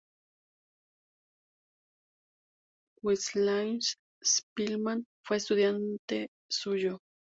Władysław Szpilman fue estudiante suyo.